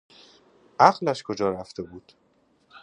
عقلش کجا رفته بود؟